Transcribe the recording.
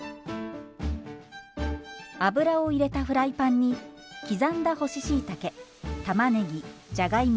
油を入れたフライパンに刻んだ干ししいたけたまねぎじゃがいも